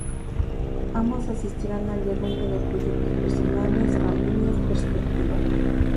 Ambos asistirán al derrumbe de proyectos personales, familias, perspectivas.